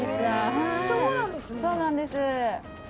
そうなんですね。